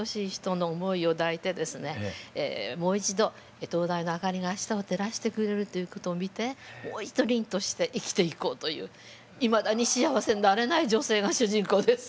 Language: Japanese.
もう一度灯台の明かりが下を照らしてくれるということを見てもう一度凛として生きていこうといういまだに幸せになれない女性が主人公です。